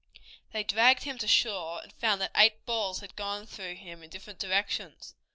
They dragged him to shore, and found that eight balls had gone through him in different directions.